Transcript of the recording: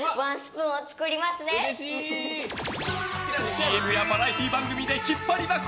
ＣＭやバラエティー番組で引っ張りだこ